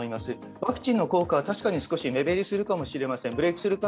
ワクチンの効果は確かに少し目減りするかもしれませんブレイクスルー